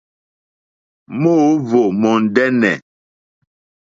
Mòóhwò mòndɛ́nɛ̀.